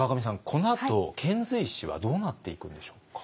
このあと遣隋使はどうなっていくんでしょうか。